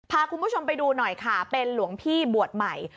พาคุณผู้ชมไปดูหน่อยค่ะเป็นหลวงพี่บวชใหม่